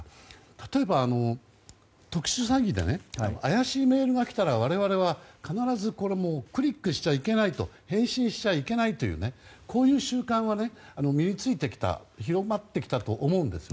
例えば、特殊詐欺で怪しいメールが来たら我々は必ずこれはクリックしてはいけないと返信しちゃいけないとこの感覚は身に付いてきた広まってきたと思うんです。